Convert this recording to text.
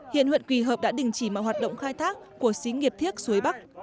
hiện huyện quỳ hợp đã đình chỉ mọi hoạt động khai thác của xí nghiệp thiếc suối bắc